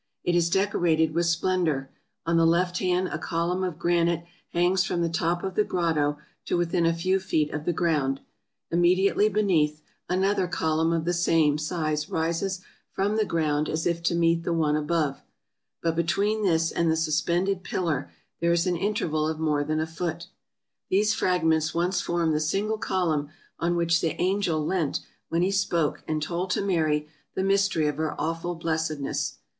It is decorated with splendor; on the left hand a column of granite hangs from the top of the grotto to within a few feet of the ground ; immediately beneath, another column of the same size rises from the ground as if to meet the one above ; but between this and the suspended pillar there is an interval of more than a foot. These fragments once formed the single column on which the angel leant when he spoke and told to Mary the mys tery of her awful blessedness.